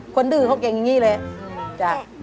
ดื้อเขาเก่งอย่างนี้เลย